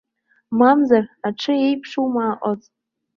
Мамзар, аҽы еиԥшума аҟыз!